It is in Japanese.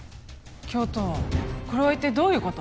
教頭これは一体どういうこと？